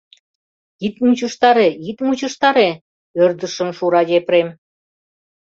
— Ит мучыштаре, ит мучыштаре, — ӧрдыжшым шура Епрем.